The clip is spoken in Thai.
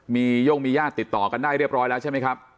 มีโย่งมีญาติติดต่อกันได้เรียบร้อยแล้วใช่ไหมครับ